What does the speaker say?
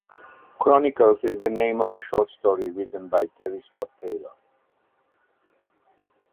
Chronicles is the name of a short story written by Terry Scott Taylor.